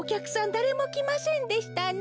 だれもきませんでしたね。